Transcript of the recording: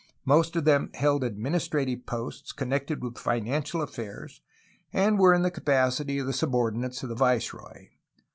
Most of them held adminis trative posts connected with financial affairs and were in this capacity the subordinates of the viceroy.